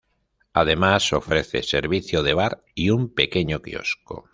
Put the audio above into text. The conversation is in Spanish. Además, ofrece servicio de bar y un pequeño quiosco.